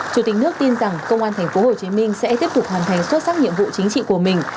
chủ tịch nước tin rằng công an thành phố hồ chí minh sẽ tiếp tục hoàn thành xuất sắc nhiệm vụ chính trị của mình